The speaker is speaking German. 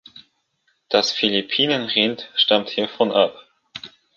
Das Philippinen-Rind stammt hiervon ab.